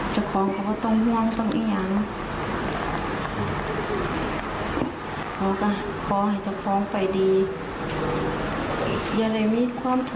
อย่าไปมองอย่าไปบิงคุม